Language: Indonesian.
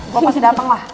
gue pasti dateng lah